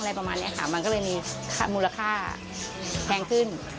ประมาณนี้ค่ะมันก็เลยมีมูลค่าแพงขึ้น